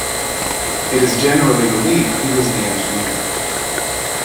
It is generally believed he was the engineer.